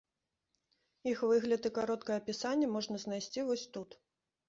Іх выгляд і кароткае апісанне можна знайсці вось тут.